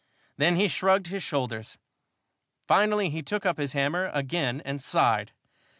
Then he shrugged his shoulders. Finally, he took up his hammer again and sighed.